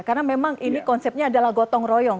karena memang ini konsepnya adalah gotong royong